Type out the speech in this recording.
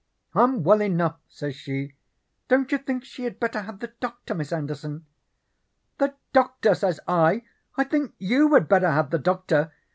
"'I'm well enough,' says she. 'Don't you think she had better have the doctor, Miss Anderson?' "'The doctor,' says I, 'I think YOU had better have the doctor.